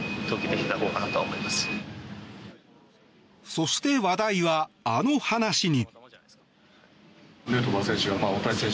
そして、話題はあの話に。